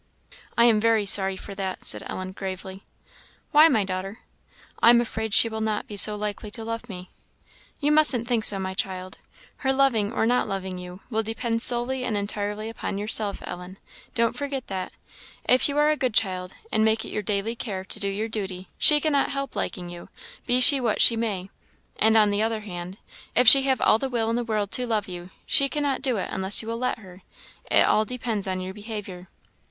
"I am very sorry for that," said Ellen, gravely. "Why, my daughter?" "I am afraid she will not be so likely to love me." "You mustn't think so, my child. Her loving or not loving you will depend solely and entirely upon yourself, Ellen. Don't forget that. If you are a good child, and make it your daily care to do your duty, she cannot help liking you, be she what she may; and, on the other hand, if she have all the will in the world to love you, she cannot do it unless you will let her it all depends on your behaviour."